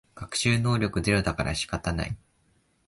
学習能力ゼロだから仕方ない